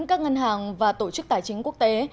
các ngân hàng và tổ chức tài chính quốc tế